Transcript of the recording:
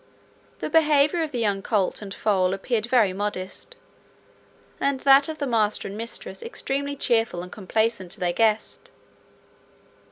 The behaviour of the young colt and foal appeared very modest, and that of the master and mistress extremely cheerful and complaisant to their guest.